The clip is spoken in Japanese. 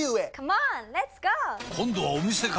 今度はお店か！